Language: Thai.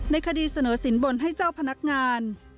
คดีเสนอสินบนให้เจ้าพนักงาน